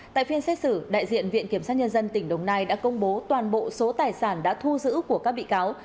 tại phiên xét xử đại diện viện kiểm sát nhân dân tỉnh đồng nai đã công bố toàn bộ số tài sản đã thu giữ của các bị cáo